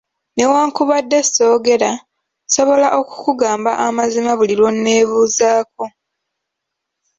Newankubadde soogera, nsobola okukugamba amazima buli lw'oneebuuzaako.